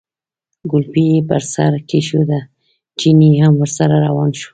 کولپۍ یې پر سر کېښوده، چيني هم ورسره روان شو.